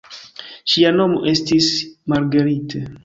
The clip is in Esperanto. Ŝia nomo estis Marguerite.